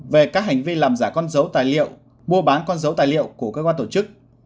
về các hành vi làm giả con dấu tài liệu mua bán con dấu tài liệu của cơ quan tổ chức